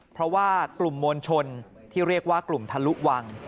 เพราะว่ากลุ่มมวลชนที่เรียกว่ากลุ่มทะลุวัง